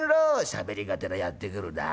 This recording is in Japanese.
しゃべりがてらやって来るだ。